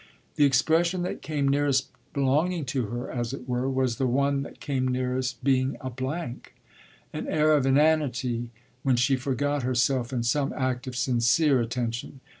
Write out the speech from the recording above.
The expression that came nearest belonging to her, as it were, was the one that came nearest being a blank an air of inanity when she forgot herself in some act of sincere attention.